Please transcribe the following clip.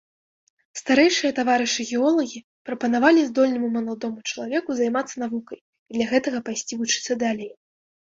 Старэйшыя таварышы-геолагі прапанавалі здольнаму маладому чалавеку займацца навукай і для гэтага пайсці вучыцца далей.